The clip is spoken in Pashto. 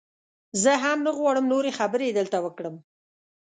زه هم نه غواړم نورې خبرې دلته وکړم.